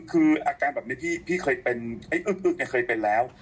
คืออาการแบบนี้ที่พี่เคยเป็นไอ้อึ๊กเคยเป็นแล้ว